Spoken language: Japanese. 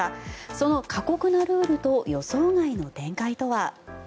その過酷なルールと予想外の展開とは。